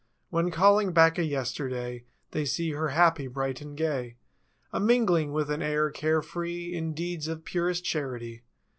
When calling back a yesterday They see her happy, bright and gay, A mingling, with an air care free. In deeds of purest charity.